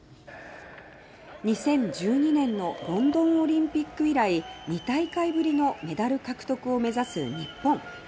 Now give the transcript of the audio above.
２０１２年のロンドンオリンピック以来２大会ぶりのメダル獲得を目指す日本。